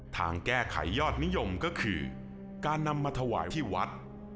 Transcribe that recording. ทางแก้ไขยอดนิยมก็คือการนำมาถวายที่วัด